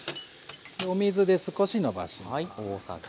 お水で少しのばします。